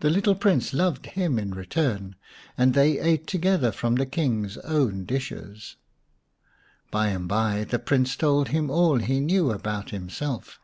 The little Prince loved him in return, and they ate together from the King's own dishes. By and by the Prince told him all he knew about himself.